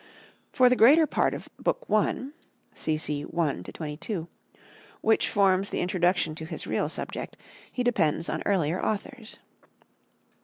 For the greater part of Book I (cc. 1 22), which forms the introduction to his real subject, he depends on earlier authors.